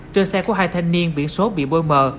trên xe có hai thanh niên biển số bị bôi mờ